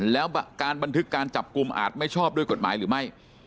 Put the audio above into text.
แล้วการบันทึกการจับกลุ่มอาจไม่ชอบด้วยกฎหมายหรือไม่